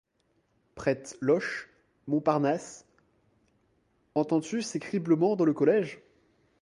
Prête l’oche, Montparnasse, entends-tu ces criblements dans le collége?